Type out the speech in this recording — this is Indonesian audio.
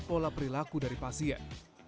pola perilaku dari pasien